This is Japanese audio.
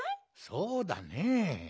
そうだねえ。